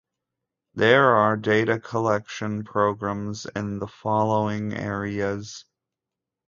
There are data collection programs in the following areas.